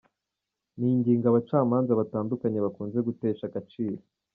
Ni ingingo abacamanza batandukanye bakunze gutesha agaciro.